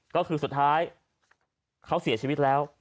ก็คือสุดท้ายเขาเสียชีวิตแล้ว